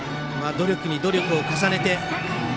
努力に努力を重ねて。